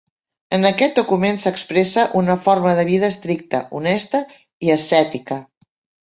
En aquest document s'expressa una forma de vida estricta, honesta i ascètica.